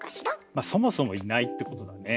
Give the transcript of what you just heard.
まあそもそもいないってことだね。